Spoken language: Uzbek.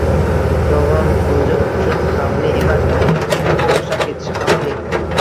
Yolg`on o`zi uncha xavfli emas, uning haqiqatga o`xshab ketishi xavfli